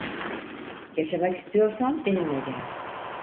Yaşamak istiyorsan benimle gel.